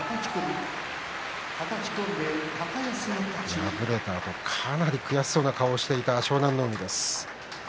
敗れたあと、かなり悔しそうな顔をしていた湘南乃海です。